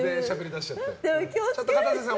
ちょっとかたせさん